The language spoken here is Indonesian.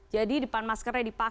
jadi depan maskernya dipasang